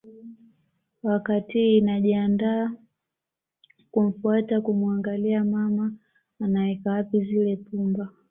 Wakatiii najiandaa kumfuata kumuangalia mama anaweka wapi zile pumba